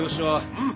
うん。